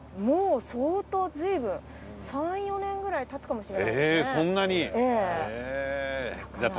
もう相当ずいぶん３４年くらい経つかもしれない。